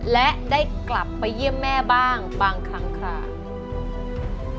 และได้กลับไปเยี่ยมแม่บ้างบางครั้ง